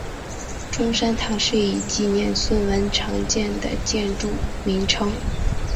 中山堂是用以纪念孙文而常见的建筑名称。